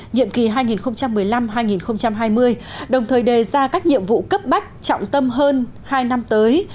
nhiệm kỳ hai nghìn một mươi năm hai nghìn hai mươi đồng thời đề ra các nhiệm vụ cấp bách trọng tâm hơn hai năm tới